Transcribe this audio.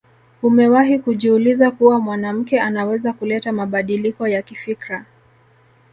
Umewahi kujiuliza kuwa mwanamke anaweza kuleta mabadiliko ya kifikra